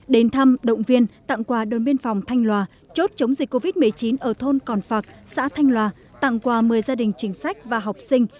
đến thăm động viên tặng quà đồn biên phòng thanh lòa chốt chống dịch covid một mươi chín ở thôn còn phạc xã thanh lòa tặng quà một mươi gia đình chính sách và học sinh